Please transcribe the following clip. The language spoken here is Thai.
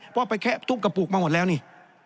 เพราะไปแคะทุบกระปุกมาหมดแล้วนี่